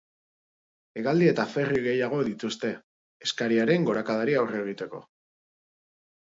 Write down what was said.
Hegaldi eta ferry gehiago jarri dituzte, eskariaren gorakadari aurre egiteko.